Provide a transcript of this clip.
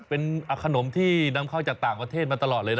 เป็นขนมที่นำเข้าจากต่างประเทศมาตลอดเลยนะ